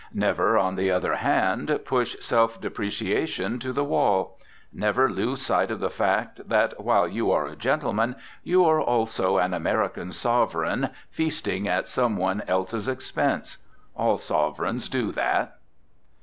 Never, on the other hand, push self depreciation to the wall. Never lose sight of the fact that, while you are a gentleman, you are also an American sovereign feasting at some one else's expense. All sovereigns do that.